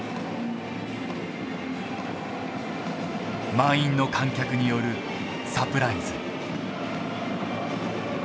満員の観客によるサプライズ。